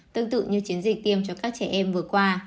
tương tự như chiến dịch tiêm cho các trẻ em vừa qua